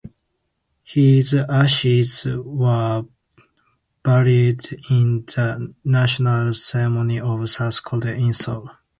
His ashes were buried in the National Cemetery of South Korea in Seoul.